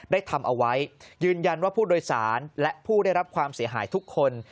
ทำเอาไว้ยืนยันว่าผู้โดยสารและผู้ได้รับความเสียหายทุกคน